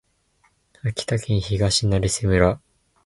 秋田県東成瀬村